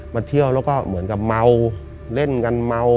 มาเที่ยวแล้วก็เหมือนกับเมาเล่นกันเมา